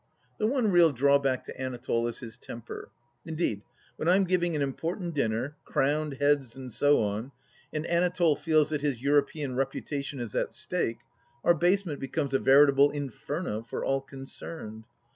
The one real drawback to Anatole is his temper. Indeed, when I'm giving an important dinner, crowned heads and so on, and Anatole feels that his European reputation is at stake, our basement becomes a veritable Inferno for all concerned.